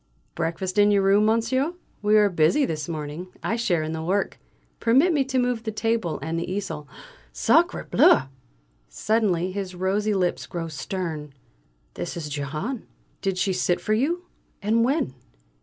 "Breakfast in your room, monsieur? We are busy this morning; I share in the work. Permit me to move the table and the easel Sacré bleu!" Suddenly his rosy lips grow stern. "This is Jehane. Did she sit for you and when?